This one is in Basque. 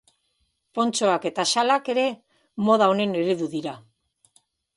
Pontxoak eta xalak ere moda honen eredu dira.